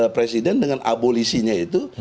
presiden dengan abolisinya itu